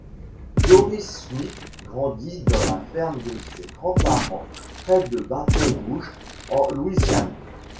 Doris Smith grandit dans la ferme de ses grands-parents, près de Bâton-Rouge en Louisiane.